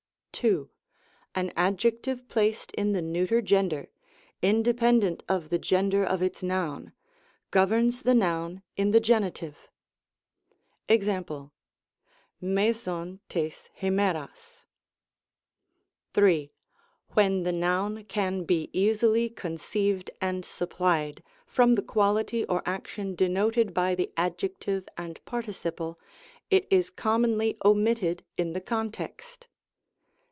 2. An adjective placed in the neuter gender — ^inde pendent of the gender of its noun — ^governs the noun in the genitive. JEx,^ fiaaov rrjg r)fi8Qag. 3. When the noun can be easily conceived and sup plied, from the quality or action denoted by the ad jective and participle, it is commonly omitted in the context.